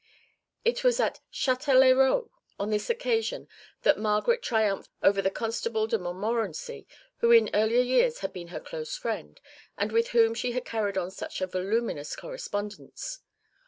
It was at Châtelherault on this occasion that Margaret triumphed over the Constable de Montmorency, who in earlier years had been her close friend, and with whom she had carried on such a voluminous correspondence.